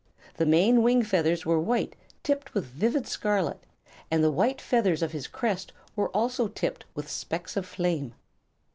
The main wing feathers were white, tipped with vivid scarlet, and the white feathers of his crest were also tipped with specks of flame.